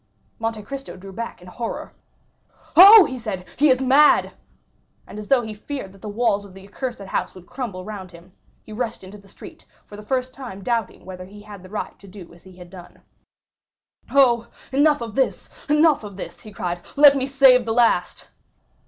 Monte Cristo drew back in horror. "Oh," he said, "he is mad!" And as though he feared that the walls of the accursed house would crumble around him, he rushed into the street, for the first time doubting whether he had the right to do as he had done. "Oh, enough of this,—enough of this," he cried; "let me save the last."